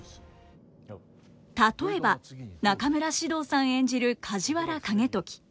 例えば中村獅童さん演じる梶原景時。